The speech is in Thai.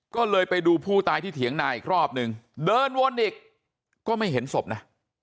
ก็เลยไปดูผู้ตายที่เถียงนาอีกรอบนึงเดินวนอีกก็ไม่เห็นศพนะ